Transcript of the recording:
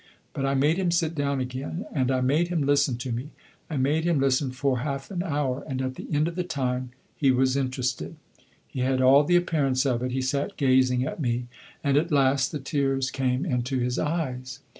But I made him sit down again, and I made him listen to me. I made him listen for half an hour, and at the end of the time he was interested. He had all the appearance of it; he sat gazing at me, and at last the tears came into his eyes.